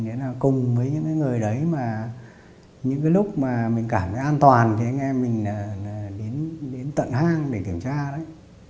nghĩa là cùng với những người đấy mà những cái lúc mà mình cảm thấy an toàn thì anh em mình đến tận hang để kiểm tra đấy